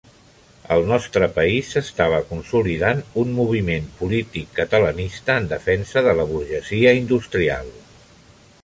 Al nostre país s'estava consolidant un moviment polític catalanista en defensa de la burgesia industrial.